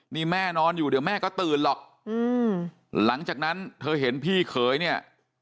นี่แม่นอนอยู่เดี๋ยวแม่ก็ตื่นหรอกอืมหลังจากนั้นเธอเห็นพี่เขยเนี่ย